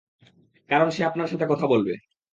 কারণ সে আপনার সাথে কথা বলবে।